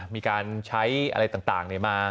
มีการใช้อะไรต่างมา